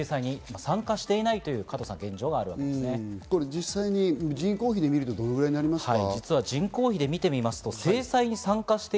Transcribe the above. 実際に人口比で見るとどのくらいになりますか？